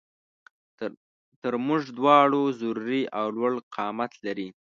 تر مونږ دواړو ضروري او لوړ قامت لري